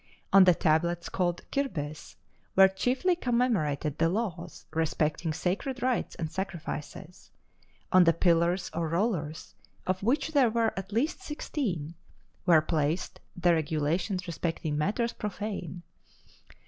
On the tablets, called Cyrbis, were chiefly commemorated the laws respecting sacred rites and sacrifices; on the pillars or rollers, of which there were at least sixteen, were placed the regulations respecting matters profane.